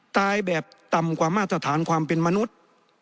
ตายแบบต่ำกว่ามาตรฐานความเป็นมนุษย์